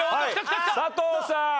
佐藤さん。